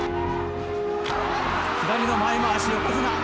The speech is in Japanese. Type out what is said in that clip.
左の前まわし、横綱。